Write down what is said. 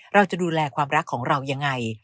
เราจะดูแลความรักของเรายังไง